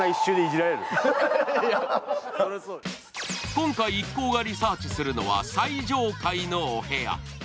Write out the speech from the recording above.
今回、一行がリサーチするのは最上階のお部屋。